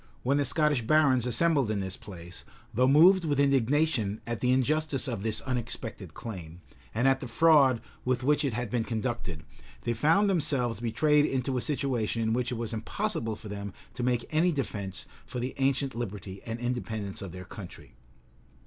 When the Scottish barons assembled in this place, though moved with indignation at the injustice of this unexpected claim, and at the fraud with which it had been conducted, they found themselves betrayed into a situation in which it was impossible for them to make any defence for the ancient liberty and independence of their country.